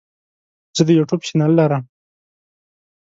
زه د یوټیوب چینل لرم.